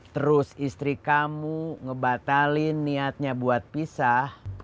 terus istri kamu ngebatalin niatnya buat pisah